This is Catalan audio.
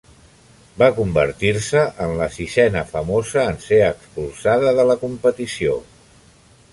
Va convertir-se en la sisena famosa en ser expulsada de la competició.